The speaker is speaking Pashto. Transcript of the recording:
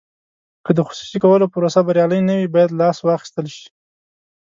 که د خصوصي کولو پروسه بریالۍ نه وي باید لاس واخیستل شي.